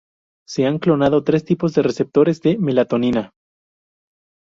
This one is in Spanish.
Se han clonado tres tipos de receptores de melatonina.